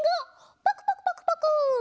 パクパクパクパク！